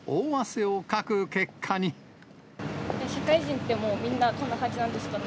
大事な面接を前に、社会人ってもう、みんな、こんな感じなんですかね。